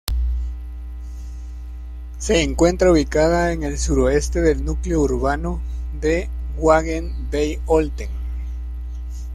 Se encuentra ubicada en el suroeste del núcleo urbano de Wangen bei Olten.